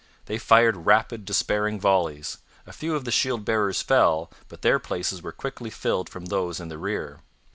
They fired rapid, despairing volleys; a few of the shield bearers fell, but their places were quickly filled from those in the rear.